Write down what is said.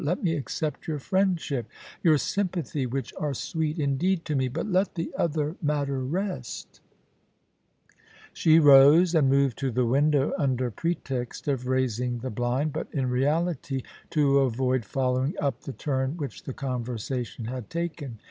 Let me accept your friendship, your sympathy, which are sweet indeed to me, but let the other matter rest' She rose, and moved to the window under pretext of raising the blind, but in reality to avoid following up the turn which the conversation had taken.